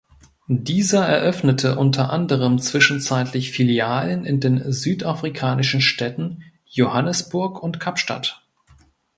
Dieser eröffnete unter anderem zwischenzeitlich Filialen in den südafrikanischen Städten Johannesburg und Kapstadt.